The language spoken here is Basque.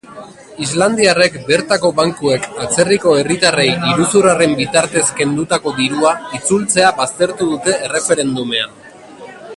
Islandiarrek bertako bankuek atzerriko herritarrei iruzurraren bitartez kendutako dirua itzultzea baztertu dute erreferendumean.